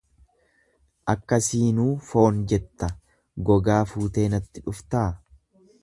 Akkasiinuu foon jetta gogaa fuutee natti dhuftaa?.